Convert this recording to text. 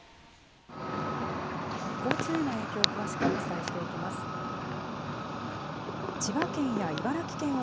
交通への影響を詳しくお伝えしていきます。